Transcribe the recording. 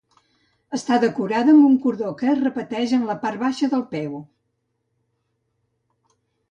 Està decorada amb un cordó que es repeteix en la part baixa del peu.